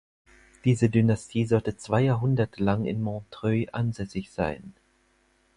Diese Dynastie sollte zwei Jahrhunderte lang in Montreuil ansässig sein.